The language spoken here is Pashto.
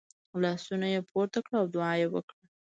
لاسونه یې پورته کړه او دعا یې وکړه .